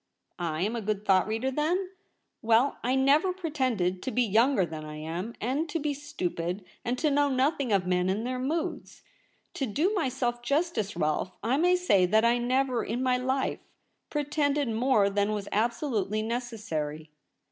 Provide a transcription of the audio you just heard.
* I am a good thought reader, then ? Well, I never pretended to be younger than I am, and to be stupid and to know nothing of men and their moods. To do myself justice, Rolfe, I may say that I never in my life pretended more than was absolutely neces sary.'